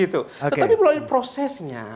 tetapi melalui prosesnya